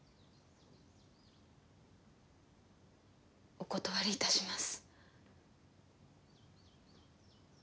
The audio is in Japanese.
お断り致します。